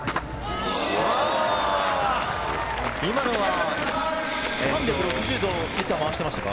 今のは３６０度まわしていましたか？